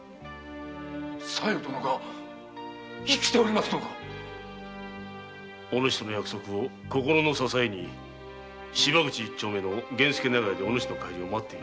小夜殿が生きておりますのかお主との約束を心の支えに芝口の源助長屋でお主の帰りを待っている。